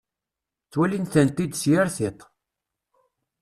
Twalin-tent-id s yir tiṭ.